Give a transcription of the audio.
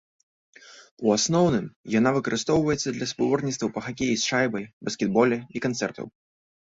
У асноўным, яна выкарыстоўваецца для спаборніцтваў па хакеі з шайбай, баскетболе і канцэртаў.